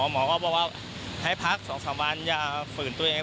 หมอก็บอกว่าให้พัก๒๓วันอย่าฝืนตัวเอง